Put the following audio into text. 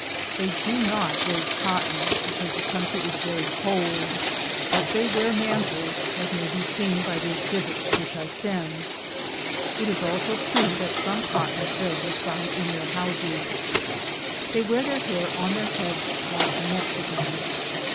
They do not raise cotton, because the coun try is very cold, but they wear mantles, as may be seen by the exhibit which I send. It is also true that some cotton thread was am Google THE JOURNEY OF CORONADO found in their houses. They wear the hair on their heads like the Mexicans.